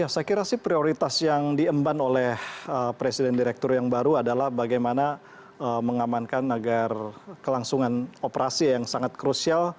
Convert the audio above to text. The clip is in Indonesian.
saya kira sih prioritas yang diemban oleh presiden direktur yang baru adalah bagaimana mengamankan agar kelangsungan operasi yang sangat krusial